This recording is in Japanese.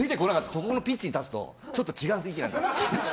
ここのピッチに立つとちょっと違う雰囲気が。